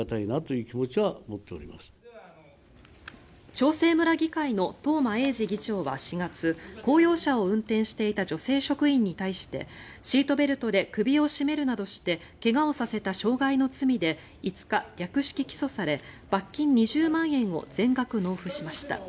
長生村議会の東間永次議長は４月公用車を運転していた女性職員に対してシートベルトで首を絞めるなどして怪我をさせた傷害の罪で５日、略式起訴され罰金２０万円を全額納付しました。